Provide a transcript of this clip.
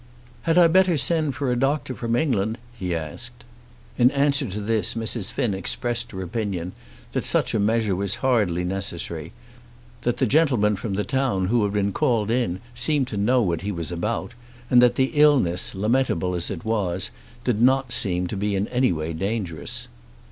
"Had I better send for a doctor from England?" he asked. In answer to this Mrs. Finn expressed her opinion that such a measure was hardly necessary, that the gentleman from the town who had been called in seemed to know what he was about, and that the illness, lamentable as it was, did not seem to be in any way dangerous.